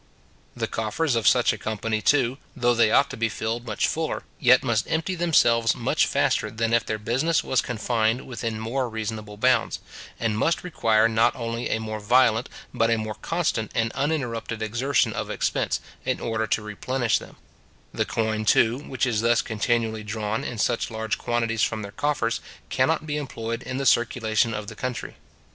The coffers of such a company, too, though they ought to be filled much fuller, yet must empty themselves much faster than if their business was confined within more reasonable bounds, and must require not only a more violent, but a more constant and uninterrupted exertion of expense, in order to replenish them, The coin, too, which is thus continually drawn in such large quantities from their coffers, cannot be employed in the circulation of the country.